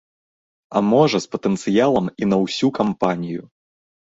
А можа з патэнцыялам і на ўсю кампанію.